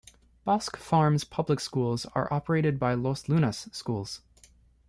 Bosque Farms' public schools are operated by Los Lunas Schools.